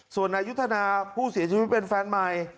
ส่วนนายุทธนาผู้เสียชีวิตเป็นแฟนใหม่